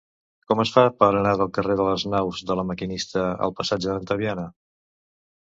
Com es fa per anar del carrer de les Naus de La Maquinista al passatge d'Antaviana?